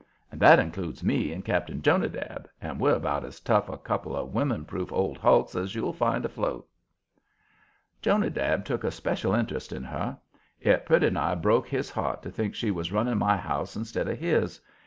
And that includes me and Cap'n Jonadab, and we're about as tough a couple of women proof old hulks as you'll find afloat. Jonadab took a special interest in her. It pretty nigh broke his heart to think she was running my house instead of his.